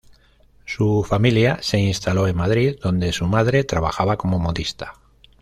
Su familia se instaló en Madrid, donde su madre trabajaba como modista.